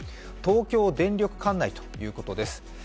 東京電力管内ということです。